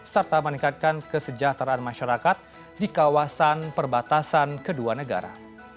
serta meningkatkan kesejahteraan masyarakat di kawasan perbatasan kedua negara